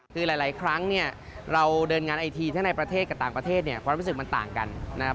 คือหลายครั้งเนี่ยเราเดินงานไอทีถ้าในประเทศกับต่างประเทศเนี่ยความรู้สึกมันต่างกันนะครับ